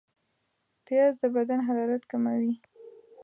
پیاز د بدن حرارت کموي